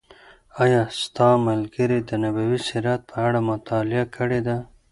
آیا ستا ملګري د نبوي سیرت په اړه مطالعه کړې ده؟